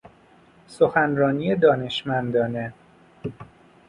سخنرانی دانشمندانه